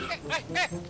lo tepuk tepuk tepuk